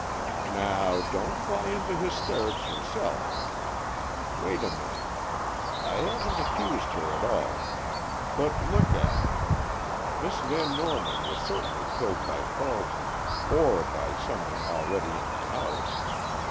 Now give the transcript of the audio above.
"Now, don't fly into hysterics yourself. Wait a minute. I haven't accused her at all. But look at it. Miss Van Norman was certainly killed by Carleton, or by some one already in the house.